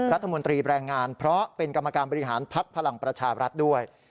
รัฐมนตรีแปลงงานเพราะเป็นกรรมการบริหารภักดิ์ภลังประชาบรรทด้วย